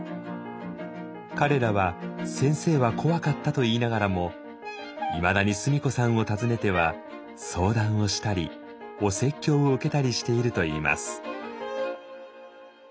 彼らは「先生は怖かった」と言いながらもいまだに須美子さんを訪ねては相談をしたりお説教を受けたりしているといいます。